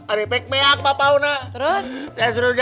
ada yang beli makanan terus saya suruh dia